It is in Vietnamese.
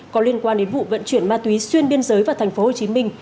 có liên quan đến vụ vận chuyển ma túy xuyên biên giới vào thành phố hồ chí minh